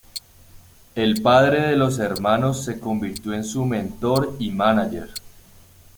El padre de los dos hermanos se convirtió en su mentor y mánager.